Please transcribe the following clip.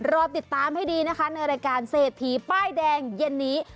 รอติดตามให้ดีนะคะในรายการเศรษฐีป้ายแดงเย็นนี้